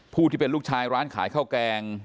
ที่เป็นลูกชายร้านขายข้าวแกง